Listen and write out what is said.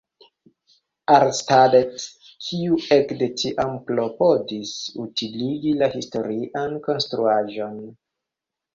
Arnstadt" kiu ekde tiam klopodis utiligi la historian konstruaĵon.